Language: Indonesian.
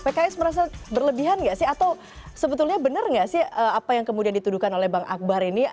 pks merasa berlebihan nggak sih atau sebetulnya benar nggak sih apa yang kemudian dituduhkan oleh bang akbar ini